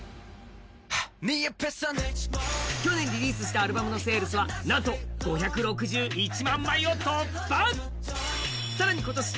去年リリースしたアルバムのセールスはなんと５６１万枚を突破さらに今年